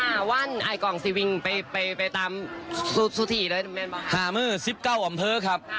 ห้าวันไอกองซีวิงไปไปไปตามสุธิเลยนะครับแม่นบอกครับห้ามือสิบเก้าอำเภอครับครับ